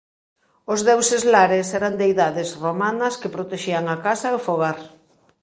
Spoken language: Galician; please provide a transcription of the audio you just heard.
Os deuses Lares eran deidades romanas que protexían a casa e o fogar.